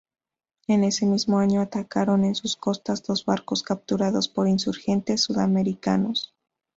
En ese mismo año atracaron en sus costas dos barcos capturados por insurgentes sudamericanos.